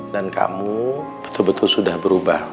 dan kamu betul betul sudah berubah